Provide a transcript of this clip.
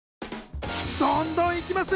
どんどんいきます。